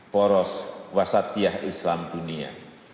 boros wasatiyah islam dunia